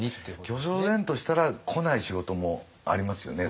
巨匠然としたら来ない仕事もありますよね